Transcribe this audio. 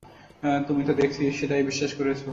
তুমি তো দেখছি সেটাই বিশ্বাস করেছো।